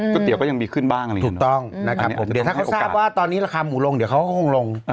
กระเตี๋ยวก็ยังมีขึ้นบ้างอะไรอย่างนี้นะครับถ้าเขาทราบว่าตอนนี้ราคาหมูลงเดี๋ยวเขาก็คงลง